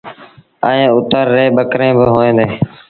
ائيٚݩ اُتر ريٚݩ ٻڪريݩ با هوئين ديٚݩ۔